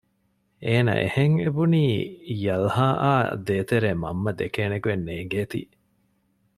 އޭނަ އެހެން އެބުނީ ޔަލްހާއާއ ދޭތެރޭ މަންމަ ދެކޭނެ ގޮތް ނޭންގޭތީ